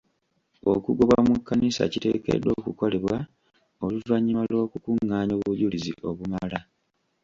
Okugobwa mu kkanisa kiteekeddwa okukolebwa oluvannyuma lw'okukungaanya obujulizi obumala.